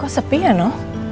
kok sepi ya no